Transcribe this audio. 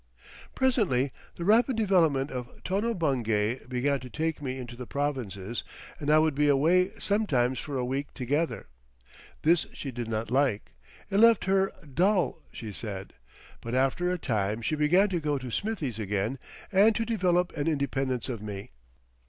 Presently the rapid development of Tono Bungay began to take me into the provinces, and I would be away sometimes for a week together. This she did not like; it left her "dull," she said, but after a time she began to go to Smithie's again and to develop an independence of me.